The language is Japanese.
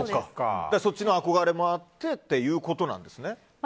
そっちの憧れもあってっていうことね。